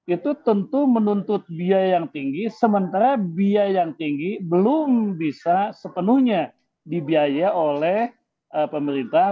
itu tentu menuntut biaya yang tinggi sementara biaya yang tinggi belum bisa sepenuhnya dibiaya oleh pemerintah